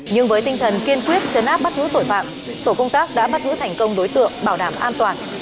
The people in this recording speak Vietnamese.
nhưng với tinh thần kiên quyết chấn áp bắt giữ tội phạm tổ công tác đã bắt giữ thành công đối tượng bảo đảm an toàn